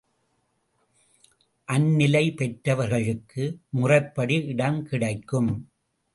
அந்நிலை பெற்றவர்களுக்கு, முறைப்படி இடம் கிடைக்கும்.